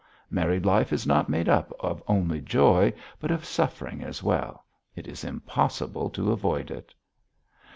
Married life is not made up only of joy but of suffering as well. It is impossible to avoid it."